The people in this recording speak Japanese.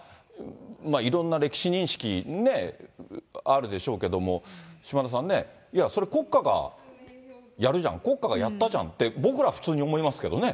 いろんな歴史認識ね、あるでしょうけども、島田さんね、いや、それは国家がやるじゃん、国家がやったじゃんって、僕ら普通に思いますけどね。